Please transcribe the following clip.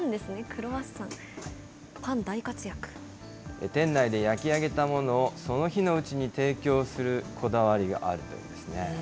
クロワ店内で焼き上げたものをその日のうちに提供するこだわりがあるそうなんですね。